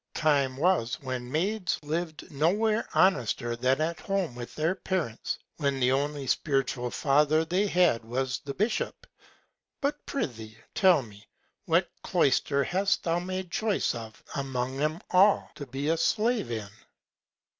Time was when Maids liv'd no where honester than at home with their Parents, when the only spiritual Father they had was the Bishop. But, prithee, tell me, what Cloyster hast thou made Choice of among 'em all, to be a Slave in?